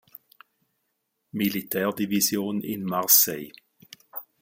Militärdivision in Marseille.